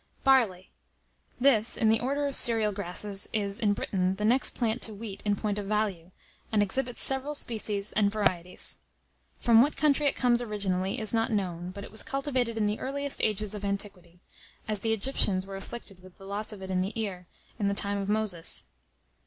] BARLEY. This, in the order of cereal grasses, is, in Britain, the next plant to wheat in point of value, and exhibits several species and varieties. From what country it comes originally, is not known, but it was cultivated in the earliest ages of antiquity, as the Egyptians were afflicted with the loss of it in the ear, in the time of Moses.